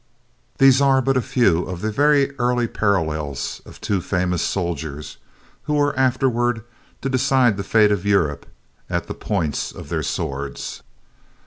These are but a few of the early parallels of two famous soldiers who were afterward to decide the fate of Europe at the points of their swords.